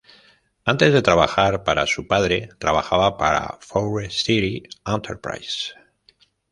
Antes de trabajar para su padre, trabajaba para Forest City Enterprises.